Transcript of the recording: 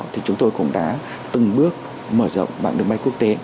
thì chúng tôi cũng đã từng bước mở rộng bản đồng bay quốc tế